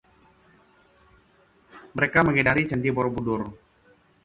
mereka mengedari candi Borobudur